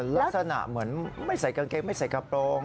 ลักษณะเหมือนไม่ใส่กางเกงไม่ใส่กระโปรง